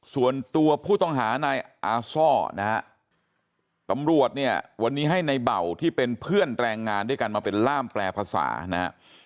ส่วนตัวผู้ต้องหานายอาซ่อนะฮะตำรวจเนี่ยวันนี้ให้ในเบาที่เป็นเพื่อนแรงงานด้วยกันมาเป็นล่ามแปลภาษานะฮะ